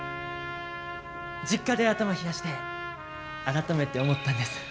実家で頭冷やして改めて思ったんです。